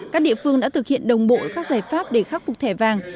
các địa phương đã thực hiện đồng bộ các giải pháp để khắc phục thẻ vàng